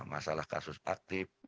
masalah kasus aktif